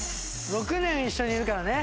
６年一緒にいるからね。